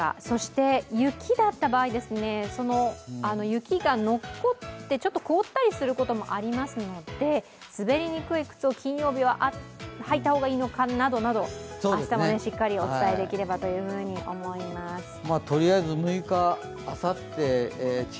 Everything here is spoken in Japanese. そして雪だった場合、雪が残って、ちょっと凍ったりすることもありますので、滑りにくい靴を金曜日は履いた方がいいのかなどなど明日はしっかりお伝えできればと思います。